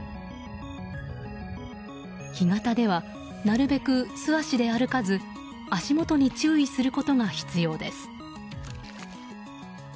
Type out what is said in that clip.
干潟ではなるべく素足で歩かず足元に注意することが必要です。